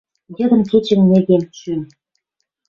Йыдын-кечӹн ньӹгем шӱм.